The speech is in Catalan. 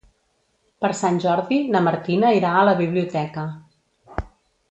Per Sant Jordi na Martina irà a la biblioteca.